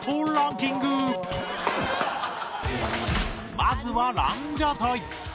まずはランジャタイ